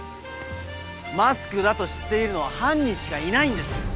マスクだと知っているのは犯人しかいないんです。